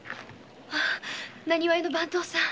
浪花屋の番頭さん。